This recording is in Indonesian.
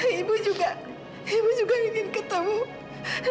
hingga sekarang untuk rias